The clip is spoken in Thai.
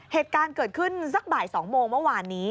เหตุการณ์เกิดขึ้นสักบ่าย๒โมงเมื่อวานนี้